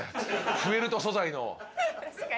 フェルト素材の。